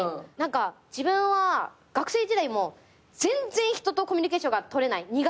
自分は学生時代も全然人とコミュニケーションが取れない苦手。